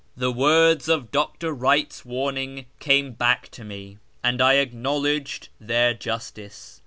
The words of Dr. Wright's warning came back to me, and I acknowledged their justice.